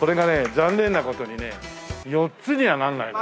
残念な事にね４つにはなんないの。